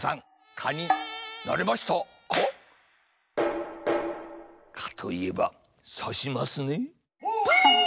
蚊⁉蚊といえばさしますね。